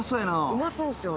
うまそうっすよね。